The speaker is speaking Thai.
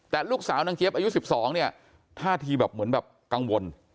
แต่ลูกสาวนางเจี๊ยบอายุ๑๒เนี่ยท่าทีแบบเหมือนแบบกังวล